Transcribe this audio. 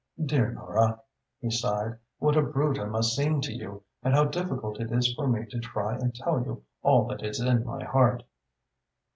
"Dear Nora," he sighed, "what a brute I must seem to you and how difficult it is for me to try and tell you all that is in my heart!"